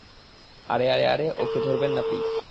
আরে, আরে, আরে, ওকে ধরবেন না, প্লিজ।